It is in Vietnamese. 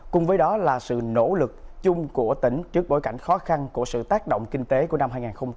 cùng với đó là sự nỗ lực chung của tỉnh trước bối cảnh khó khăn của sự tác động kinh tế của năm hai nghìn hai mươi ba